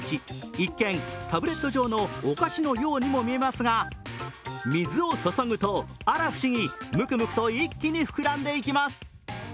一見、タブレット状のお菓子のようにも見えますが水を注ぐと、あら不思議むくむくと一気に膨らんでいきます。